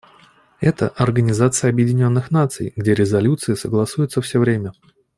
Это — Организация Объединенных Наций, где резолюции согласуются все время.